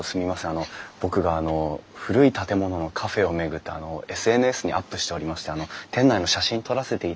あの僕があの古い建物のカフェを巡ってＳＮＳにアップしておりまして店内の写真撮らせていただいてもよろしいですか？